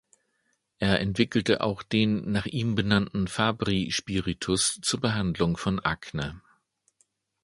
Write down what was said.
Er entwickelt auch den nach ihm benannten Fabry-Spiritus zur Behandlung von Akne.